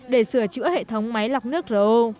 để sửa chữa hệ thống máy lọc nước ro